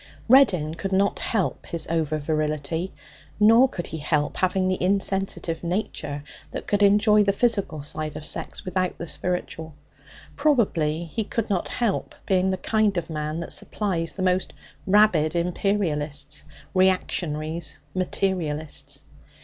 Reddin could not help his over virility, nor could he help having the insensitive nature that could enjoy the physical side of sex without the spiritual; probably he could not help being the kind of man that supplies the most rabid imperialists, reactionaries, materialists.